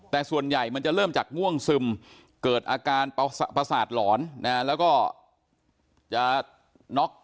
แต่ส่วนใหญ่มันจะเริ่มจากง่วงซึมเกิดอาการประสาทหลอน